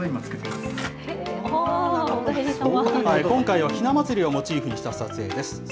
今回はひな祭りをモチーフにした撮影です。